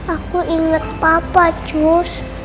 aku inget papa cus